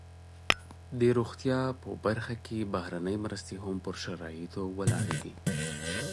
د روغتیا په برخه کې بهرنۍ مرستې هم پر شرایطو ولاړې وي.